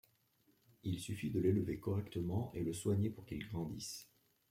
Il suffit de l'élever correctement et le soigner pour qu'il grandisse.